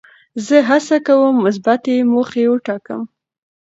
زه هڅه کوم مثبتې موخې وټاکم.